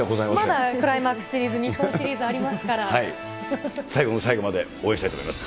まだクライマックスシリーズ、最後の最後まで応援したいと思います。